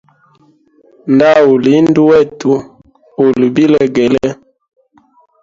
Nda uli indu wetu uli bilegele.